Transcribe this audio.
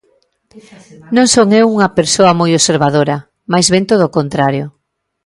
Non son eu unha persoa moi observadora, máis ben todo o contrario.